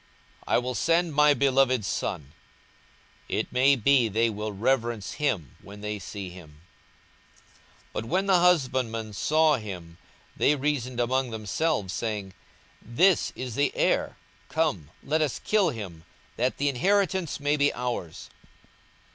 I will send my beloved son: it may be they will reverence him when they see him. 42:020:014 But when the husbandmen saw him, they reasoned among themselves, saying, This is the heir: come, let us kill him, that the inheritance may be ours.